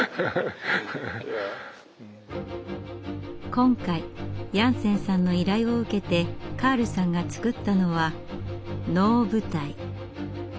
今回ヤンセンさんの依頼を受けてカールさんが造ったのは能舞台。